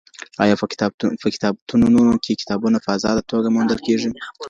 آيا په کتابتونونو کي کتابونه په ازاده توګه موندل کېږي؟